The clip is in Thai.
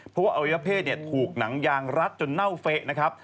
เพราะว่าอวเวรพศถูกหนังยางรัฐจนเน่าเฟะ